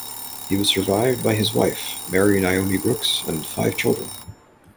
He was survived by his wife, Mary Naomi Brooks, and five children.